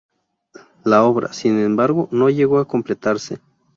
La obra, sin embargo, no llegó a completarse.